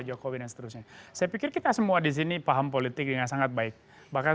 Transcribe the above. jokowi dan seterusnya saya pikir kita semua disini paham politik dengan sangat baik bahkan